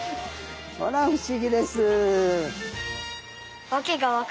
ほら不思議です！